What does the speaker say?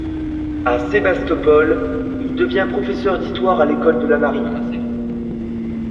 À Sébastopol, il devient professeur d'histoire à l'école de la marine.